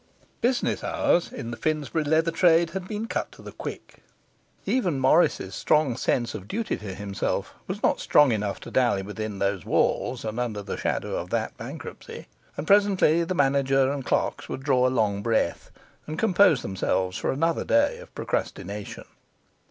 Business hours, in the Finsbury leather trade, had been cut to the quick; even Morris's strong sense of duty to himself was not strong enough to dally within those walls and under the shadow of that bankruptcy; and presently the manager and the clerks would draw a long breath, and compose themselves for another day of procrastination.